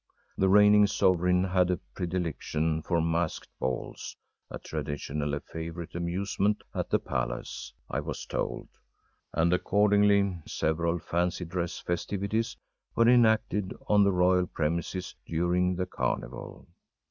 The reigning sovereign had a predilection for masked balls, a traditionally favorite amusement at the palace, I was told and accordingly several fancy dress festivities were enacted on the royal premises during the carnival.